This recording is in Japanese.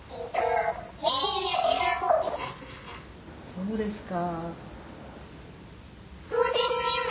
そうですか。